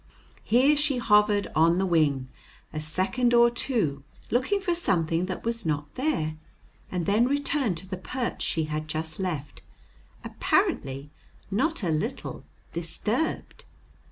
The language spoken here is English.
Here she hovered on the wing a second or two, looking for something that was not there, and then returned to the perch she had just left, apparently not a little disturbed.